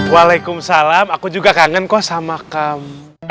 waalaikumsalam aku juga kangen kok sama kamu